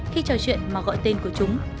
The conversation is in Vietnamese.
khi trò chuyện mà gọi tên của chúng